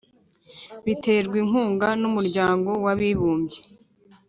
Biterwa inkunga n’umuryango w Abibumbye